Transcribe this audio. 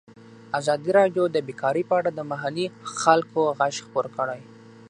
ازادي راډیو د بیکاري په اړه د محلي خلکو غږ خپور کړی.